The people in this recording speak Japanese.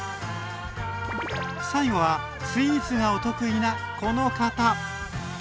最後はスイーツがお得意なこの方！